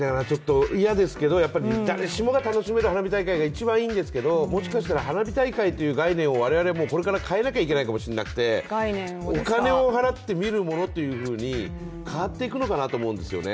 嫌ですけど、誰しもが楽しめる花火大会が一番いいんですけど、もしかしたら花火大会という概念を我々これからは変えないといけないかもしれなくて、お金を払ってみるものというふうに変わっていくのかなと思うんですよね。